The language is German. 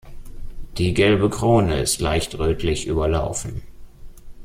Die gelbe Krone ist leicht rötlich überlaufen.